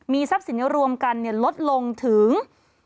ทรัพย์สินรวมกันลดลงถึง